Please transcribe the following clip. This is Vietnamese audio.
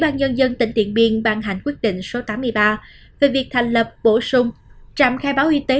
ủy ban nhân dân tỉnh điện biên ban hành quyết định số tám mươi ba về việc thành lập bổ sung trạm khai báo y tế